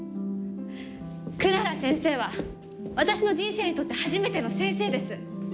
クララ先生は私の人生にとって初めての先生です。